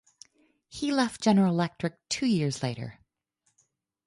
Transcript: He left General Electric two years later.